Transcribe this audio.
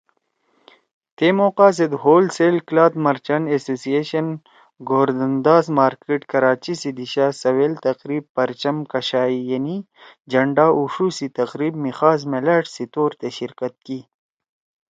تے موقع زید ہول سیل کلاتھ مرچنٹس ایسوسی ایشن گوردھن داس مارکیٹ کراچی سی دیِشا سوَیل تقریب پرچم کشائی یعنی جھنڈا اُوݜو سی تقریب می خاص میلأݜ سی طورتے شرکت کی